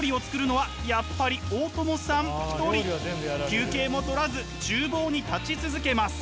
休憩も取らず厨房に立ち続けます。